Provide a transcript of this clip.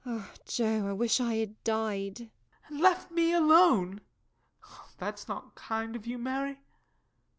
O Joe, I wish I had died! JOE. And left me alone? That's not kind of you, Mary.